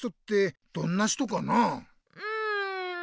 うん。